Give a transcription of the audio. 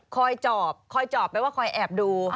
จอบคอยจอบแปลว่าคอยแอบดู